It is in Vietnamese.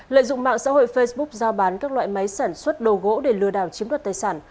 lợi dụng mạng xã hội facebook giao bán các loại máy sản xuất đồ gỗ để lừa đảo chiếm đoạt tài sản